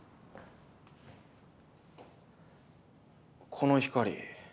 この光。